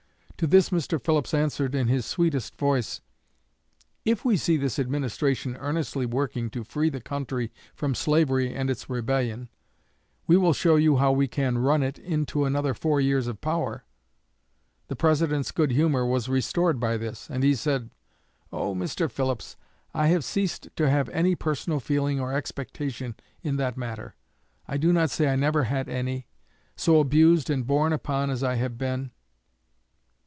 To this Mr. Phillips answered, in his sweetest voice: 'If we see this administration earnestly working to free the country from slavery and its rebellion, we will show you how we can "run" it into another four years of power.' The President's good humor was restored by this, and he said: 'Oh, Mr. Phillips, I have ceased to have any personal feeling or expectation in that matter I do not say I never had any so abused and borne upon as I have been.'